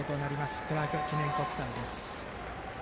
クラーク記念国際です。